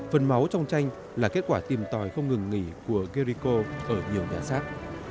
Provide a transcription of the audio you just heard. phần máu trong tranh là kết quả tìm tòi không ngừng nghỉ của gerico ở nhiều nhà xác